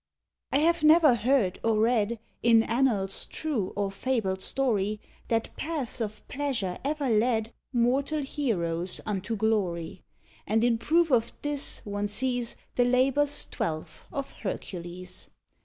I have never heard or read In annals true or fabled story, That paths of pleasure ever led Mortal heroes unto glory; And in proof of this one sees The labours twelve of Hercules.